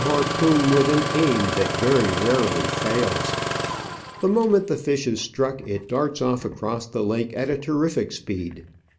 193 harpoon with an aun that very rarely fails. The moment the fish is struck it darts ofif across the lake at a terrific speed.